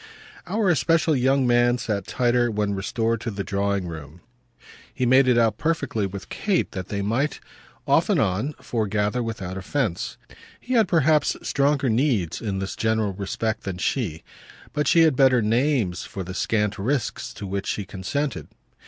Our especial young man sat tighter when restored to the drawing room; he made it out perfectly with Kate that they might, off and on, foregather without offence. He had perhaps stronger needs in this general respect than she; but she had better names for the scant risks to which she consented.